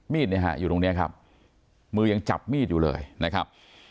เนี่ยฮะอยู่ตรงนี้ครับมือยังจับมีดอยู่เลยนะครับ